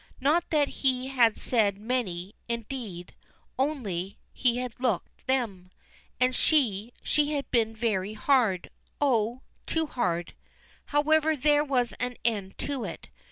Not that he had said many, indeed, only he had looked them. And she, she had been very hard oh! too hard. However, there was an end to it.